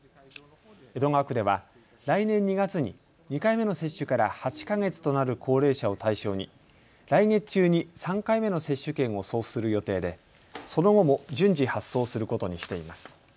江戸川区では来年２月に２回目の接種から８か月となる高齢者を対象に来月中に３回目の接種券を送付する予定でその後も順次、発送することにしています。